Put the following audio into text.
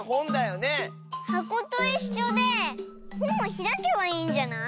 はこといっしょでほんもひらけばいいんじゃない？